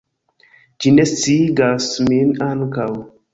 Ĝi ne sciigas min ankaŭ!